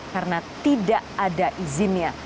karena tidak ada izinnya